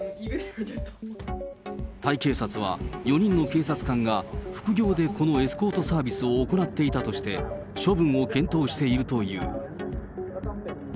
タイ警察は、４人の警察官が副業でこのエスコートサービスを行っていたとして、処分を検討しているという。